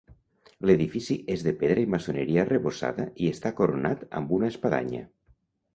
L'edifici és de pedra i maçoneria arrebossada i està coronat amb una espadanya.